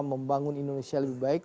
membangun indonesia lebih baik